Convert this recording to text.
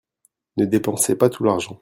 Ne dépensez pas tout l'argent.